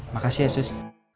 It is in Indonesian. makasih ya sus